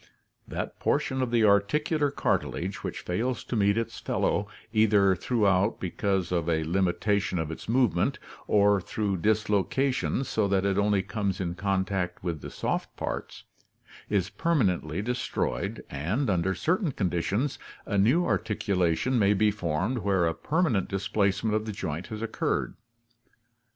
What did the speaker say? That portion of the articular cartilage which fails to meet its fellow either throughout because of a limitation of its movement, or through dislocation so that it only comes in contact with the soft parts, is permanently destroyed and, under certain conditions, a new articulation may be formed where a permanent displacement of the joint has occurred.